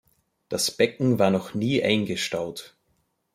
Das Becken war noch nie eingestaut.